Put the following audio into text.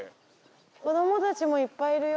子どもたちもいっぱいいるよ。